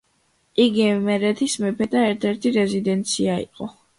იგი იმერეთის მეფეთა ერთ-ერთი რეზიდენცია იყო.